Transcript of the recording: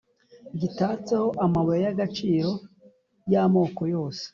gitatseho amabuye y’agaciro y’amoko yose.